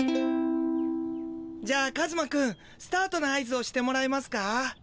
じゃあカズマくんスタートの合図をしてもらえますか？